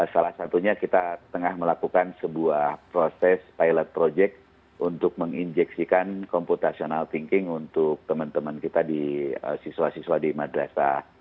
salah satunya kita tengah melakukan sebuah proses pilot project untuk menginjeksikan computational thinking untuk teman teman kita di siswa siswa di madrasah